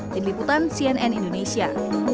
diliputan cnn indonesia